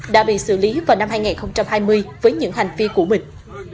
đã bị xử lý vào năm hai nghìn hai mươi với những hành vi của mình